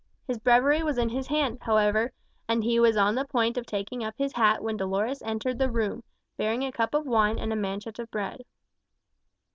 His Breviary was in his hand, however, and he was on the point of taking up his hat when Dolores entered the room, bearing a cup of wine and a manchet of bread.